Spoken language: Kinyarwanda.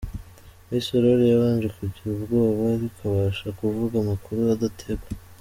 Miss Aurore yabanje kugira ubwoba ariko abasha kuvuga amakur adategwa.